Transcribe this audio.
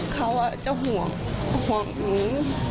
เขาจะห่วงห่วงหนู